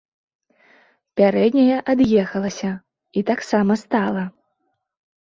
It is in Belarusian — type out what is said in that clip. Пярэдняя ад'ехалася і таксама стала.